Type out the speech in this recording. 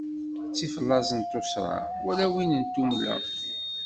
Ttif laẓ n tuṣṣra, wala win n tummla.